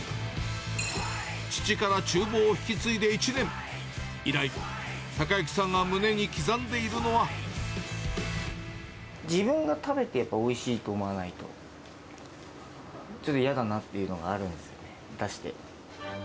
父からちゅう房を引き継いで１年、以来、自分が食べて、やっぱおいしいと思わないと、ちょっとやだなというのがあるんですよね、出して。